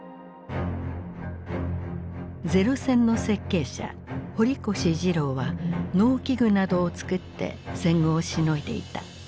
零戦の設計者堀越二郎は農機具などをつくって戦後をしのいでいた。